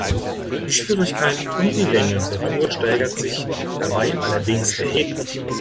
Die Schwierigkeit und Länge der Tour steigert sich dabei allerdings erheblich.